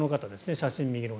写真右の方。